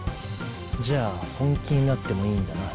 じゃあ本気になってもいいんだな？